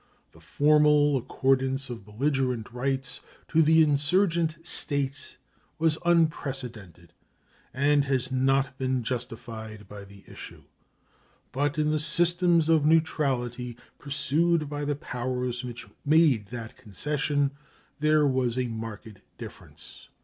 The formal accordance of belligerent rights to the insurgent States was unprecedented, and has not been justified by the issue. But in the systems of neutrality pursued by the powers which made that concession there was a marked difference.